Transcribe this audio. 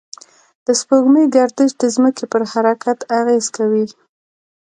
د سپوږمۍ گردش د ځمکې پر حرکت اغېز کوي.